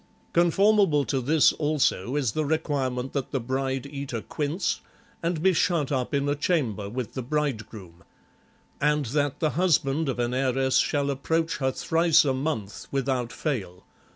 Conformable to this, also, is the requirement that the bride eat a quince and be shut up in a chamber with the bride groom; and that the husband of an heiress shall approach her thrice a month without fail.